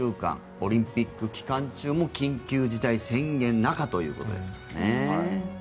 オリンピック期間中も緊急事態宣言中ということですからね。